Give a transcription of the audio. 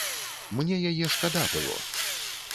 Мне яе шкада было.